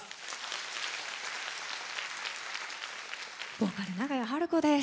ボーカル長屋晴子です。